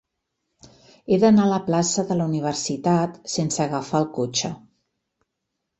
He d'anar a la plaça de la Universitat sense agafar el cotxe.